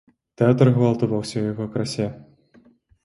Тэатр гвалту ва ўсёй яго красе.